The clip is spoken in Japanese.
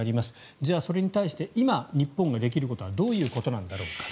じゃあ、それに対して今、日本ができることはどういうことなんだろうか。